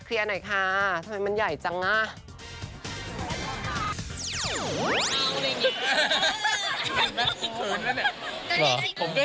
คือไม่รู้ว่ายังไง